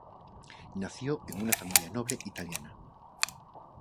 Nació en una familia noble italiana.